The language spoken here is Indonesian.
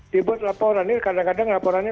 dia buat laporan kadang kadang laporannya